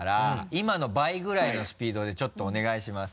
今の倍ぐらいのスピードでちょっとお願いします。